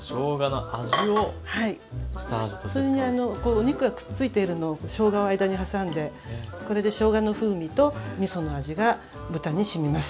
お肉がくっついているのをしょうがを間に挟んでこれでしょうがの風味とみその味が豚にしみます。